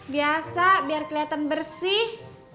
biasa biar keliatan bersih